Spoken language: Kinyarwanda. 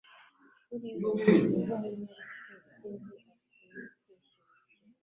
Kuri we niho umunyaritege nke akwinye kwishingikiriza,